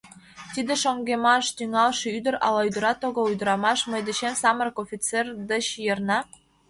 Тиде шоҥгемаш тӱҥалше ӱдыр — ала ӱдырат огыл, ӱдрамаш! — мый дечем, самырык офицер деч, йырна?